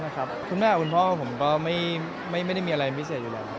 แล้วมันแบบคุณแม่คุณพ่อของผมก็ไม่ได้มีอะไรพิเศษอยู่แล้ว